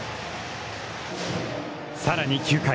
さらに、９回。